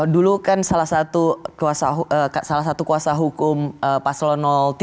dulu kan salah satu kuasa hukum paslon tiga